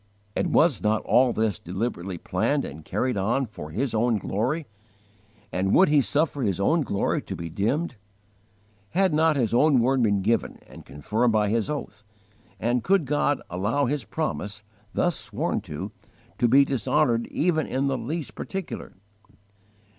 And was not all this deliberately planned and carried on for His own glory? And would He suffer His own glory to be dimmed? Had not His own word been given and confirmed by His oath, and could God allow His promise, thus sworn to, to be dishonoured even in the least particular?